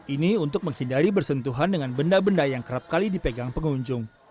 ini untuk menghindari bersentuhan dengan benda benda yang kerap kali dipegang pengunjung